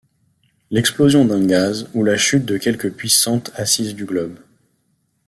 L’explosion d’un gaz, ou la chute de quelque puissante assise du globe !